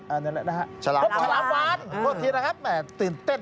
อันนั้นแหละนะครับพบฉลามวานโอเคนะครับตื่นเต้นนะครับตื่นเต้น